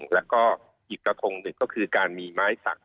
และก็อีกกระทงคือการมีไม้สัก